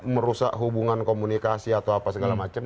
merusak hubungan komunikasi atau apa segala macam